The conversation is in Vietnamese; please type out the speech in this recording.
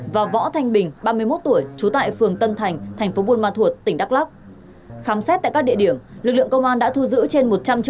và võ thanh bình ba mươi một tuổi chú tại phường tân thành tp bộ ma thuật tỉnh đắk lắc